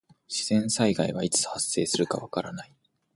自然災害はいつ発生するかわからない。